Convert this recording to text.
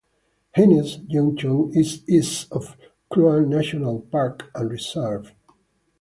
Haines Junction is east of Kluane National Park and Reserve.